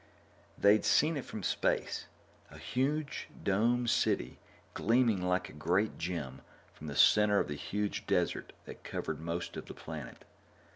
They'd seen it from space a huge domed city gleaming like a great gem from the center of the huge desert that covered most of the planet.